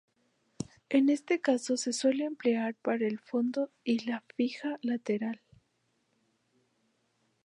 En este caso se suele emplear para el fondo y la faja lateral.